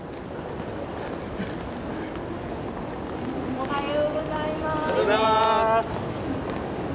おはようございます。